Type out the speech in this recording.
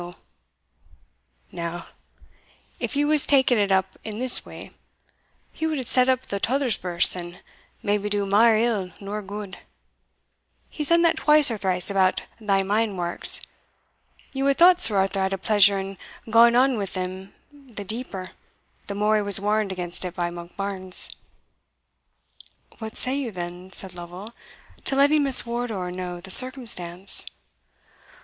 Now, if he was taking it up in this way, he wad set up the tother's birse, and maybe do mair ill nor gude he's done that twice or thrice about thae mine warks; ye wad thought Sir Arthur had a pleasure in gaun on wi' them the deeper, the mair he was warned against it by Monkbarns." "What say you then," said Lovel, "to letting Miss Wardour know the circumstance?"